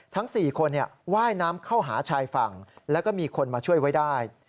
ทั้ง๔คนว่ายน้ำเข้าหาชายฝั่งแล้วก็มีคนมาช่วยไว้ได้